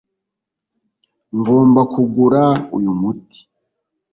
Ngomba kugura uyu muti